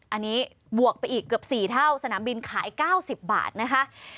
อันนี้บวกไปอีกเกือบ๔เท่าสนามบินขาย๙๐บาทนะคะ